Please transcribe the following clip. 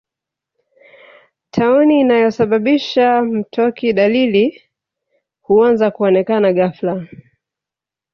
Tauni inayosababisha mtoki Dalili huanza kuonekana ghafla